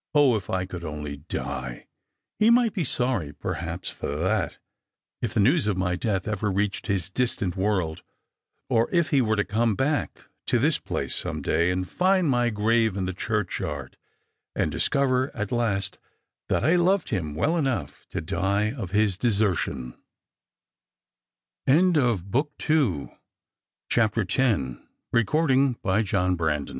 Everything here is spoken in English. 0, if I could only die! He might be sorry, perhaps, for that; if the news of my death ever reached his distant world ; or if he were to come back to this place some day, and find my grave in the churchyard, and discover at last that I loved him well enough to die of his deserti